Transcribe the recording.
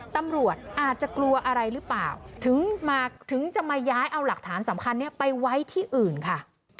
ตำรวจอาจจะกลัวอะไรหรือเปล่าถึงจะมาย้ายเอาหลักฐานสำคัญนี้ไปไว้ที่อื่นค่ะ